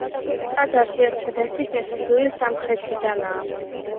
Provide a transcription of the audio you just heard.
ტაძარში ერთადერთი შესასვლელი სამხრეთიდანაა.